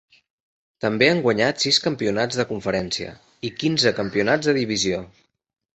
També han guanyat sis campionats de Conferència i quinze campionats de divisió.